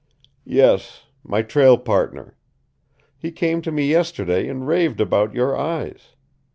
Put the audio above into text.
"Yes, my trail partner. He came to me yesterday and raved about your eyes.